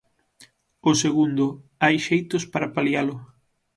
O segundo, hai xeitos para palialo.